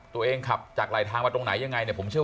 ตัวเองขับจากไหลทางมาตรงไหนยังไงเนี่ย